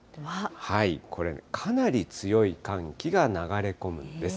これ、かなり強い寒気が流れ込むんです。